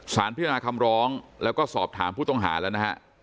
สารพิจารณาคำร้องแล้วก็สอบถามผู้ต้องหาด้วยนะครับ